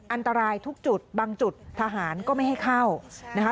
อันตรายทุกจุดบางจุดทหารก็ไม่ให้เข้านะคะ